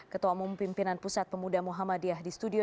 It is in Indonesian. ketua umum pimpinan pusat pemuda muhammadiyah di studio